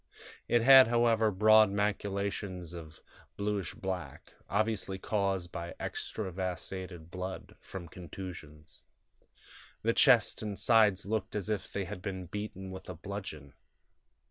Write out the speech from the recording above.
It had, however, broad maculations of bluish black, obviously caused by extravasated blood from contusions. The chest and sides looked as if they had been beaten with a bludgeon.